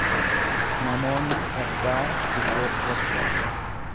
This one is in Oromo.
Namoonni gargaara dirree irratti.